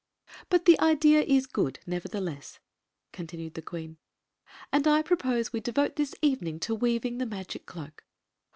"But the idea is good, nevertheless, continued the queen, " and I propose we devote this evening to weaving the magic cloak.